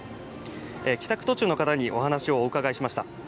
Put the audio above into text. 帰宅途中の方にお話をお伺いしました。